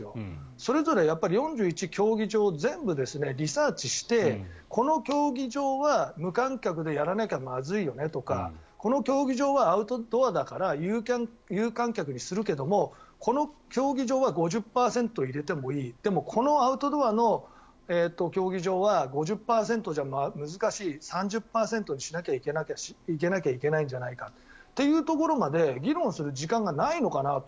それぞれ４１競技場全部をリサーチして、この競技場は無観客でやらなきゃまずいよねとかこの競技場はアウトドアだから有観客にするけどもこの競技場は５０％入れてもいいでも、このアウトドアの競技場は５０％じゃ難しい３０％にしなきゃいけないんじゃないかというところまで議論する時間がないのかなと。